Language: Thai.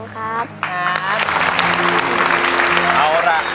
ขอบคุณครับ